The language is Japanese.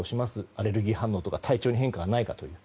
アレルギー反応とか体調の変化がないという。